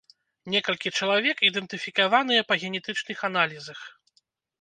Некалькі чалавек ідэнтыфікаваныя па генетычных аналізах.